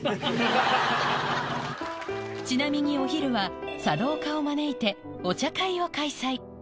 ちなみにお昼は茶道家を招いてお茶会を開催